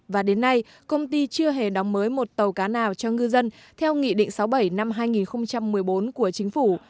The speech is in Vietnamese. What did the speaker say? và đến nay công ty chưa hề đóng mới một tàu cá nào cho ngư dân theo nghị định sáu mươi bảy năm hai nghìn một mươi bốn của chính phủ